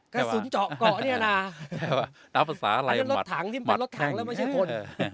กระสุนเจาะเกาะเนี่ยน่ะใช่ไหมนักภาษาอะไรรถถังที่เป็นรถถังแล้วไม่ใช่คน